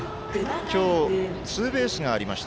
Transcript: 今日ツーベースがありました。